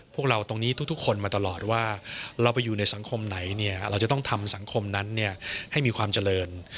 พวกเราตรงนี้ทุกคนมาตลอดว่าเราไปอยู่ในสังคมไหนเนี่ยเราจะต้องทำสังคมนั้นให้มีความเจริญ